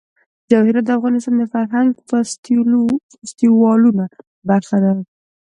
جواهرات د افغانستان د فرهنګي فستیوالونو برخه ده.